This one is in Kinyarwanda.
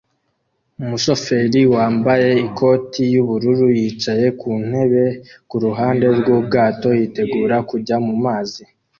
Umushoferi wambaye ikoti yubururu yicaye ku ntebe kuruhande rwubwato yitegura kujya mumazi